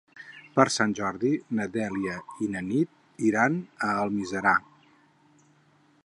Per Sant Jordi na Dèlia i na Nit iran a Almiserà.